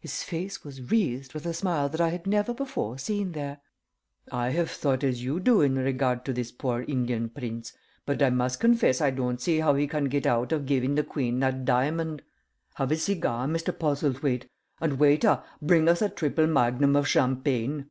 His face wreathed with a smile that I had never before seen there. "I have thought as you do in regard to this poor Indian prince, but I must confess I don't see how he can get out of giving the Queen that diamond. Have a cigar, Mr. Postlethwaite, and, waiter, bring us a triple magnum of champagne.